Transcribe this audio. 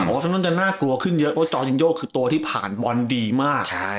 ว่าเซนจะน่ากลัวขึ้นเยอะเพราะจอยินโยคือตัวที่ผ่านบอลดีมาก